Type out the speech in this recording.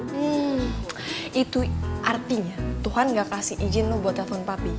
hmm itu artinya tuhan gak kasih izin lu buat telepon papi